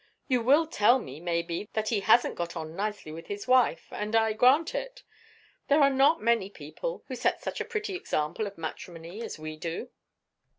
You will tell me, maybe, that he hasn't got on nicely with his wife; and I grant it. There are not many people who set such a pretty example of matrimony as we do.